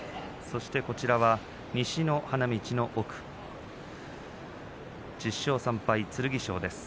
そして、こちらは西の花道の奥１０勝３敗、剣翔です。